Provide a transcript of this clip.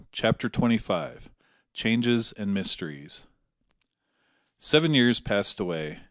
CHAPTER TWENTY FIVE. CHANGES AND MYSTERIES. Seven years passed away.